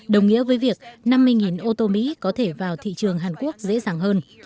đồng nghĩa với việc năm mươi ô tô mỹ có thể vào thị trường hàn quốc dễ dàng hơn